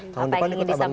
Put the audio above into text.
apa yang ingin disampaikan